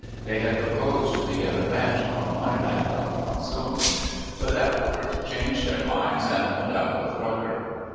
They had proposed to begin a ranch on my land on the Cosumnes, but afterward changed their minds, and went out with Rucker.